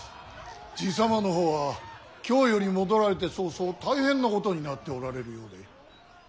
爺様の方は京より戻られて早々大変なことになっておられるようで。